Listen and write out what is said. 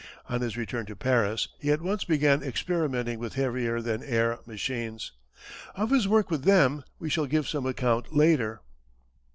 On his return to Paris he at once began experimenting with heavier than air machines. Of his work with them we shall give some account later.